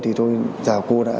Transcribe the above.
thì thôi giả cô đã